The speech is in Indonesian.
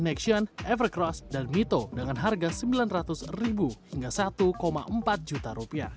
evercross dan mito dengan harga rp sembilan ratus hingga rp satu empat juta